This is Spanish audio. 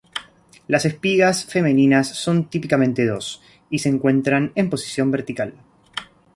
Las espigas femeninas son típicamente dos, y se encuentran en posición vertical.